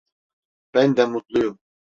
Ben de mutluyum.